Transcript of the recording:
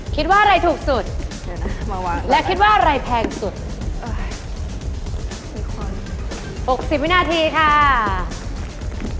คิดว่าอะไรถูกสุดและคิดว่าอะไรแพงสุดค่ะเดี๋ยวน่ะมาวางแน่นาน